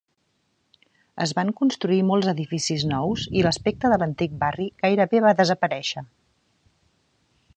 Es van construir molts edificis nous i l'aspecte de l'antic barri gairebé va desaparèixer.